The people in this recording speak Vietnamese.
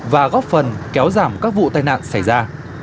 và góp phần kéo giảm các vụ tai nạn xảy ra